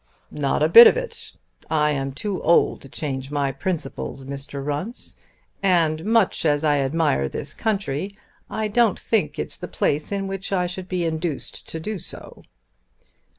"Not a bit of it. I am too old to change my principles, Mr. Runce. And much as I admire this country I don't think it's the place in which I should be induced to do so."